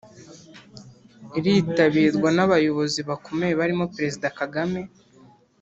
iritabirwa n’abayobozi bakomeye barimo Perezida Kagame